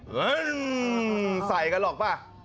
เฮ้ยใส่กันหรอกป่ะ